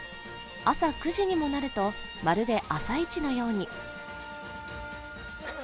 朝９時にもなると、まるで朝市のように。